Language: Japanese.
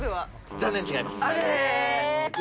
残念、違います。